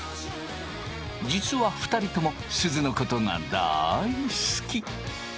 実は２人ともすずのことがだい好き。